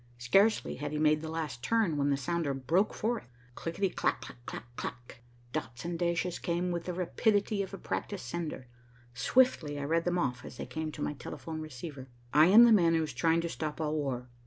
Scarcely had he made the last turn when the sounder broke forth. Clickety clack, clack, clack, clack. Dots and dashes came with the rapidity of a practised sender. Swiftly I read them off, as they came to my telephone receiver. "I am the man who is trying to stop all war.